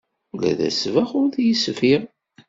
Ula d asbaɣ ur t-yesbiɣ.